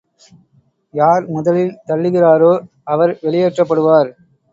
யார் முதலில் தள்ளுகிறாரோ, அவர் வெளியேற்றப்படுவார்.